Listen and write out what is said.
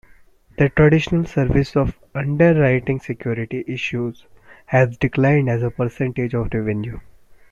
The traditional service of underwriting security issues has declined as a percentage of revenue.